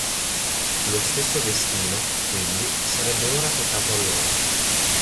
Lo stesso destino, quindi, sarebbe ora toccato a loro.